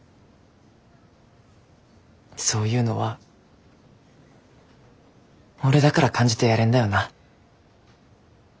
そういうのは俺だから感じてやれんだよな。